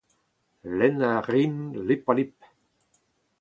Lenn a rin lip-ha-lip